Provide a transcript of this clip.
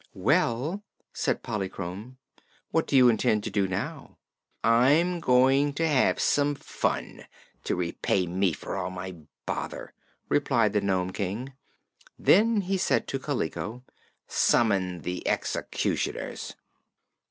"Well," said Polychrome, "what do you intend to do now?" "I'm going to have some fun, to repay me for all my bother," replied the Nome King. Then he said to Kaliko: "Summon the executioners."